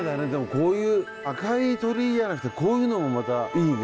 こういう赤い鳥居じゃなくてこういうのもまたいいね。